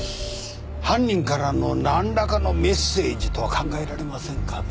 犯人からの何らかのメッセージとは考えられませんかね？